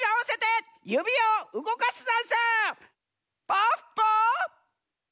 ポッポ！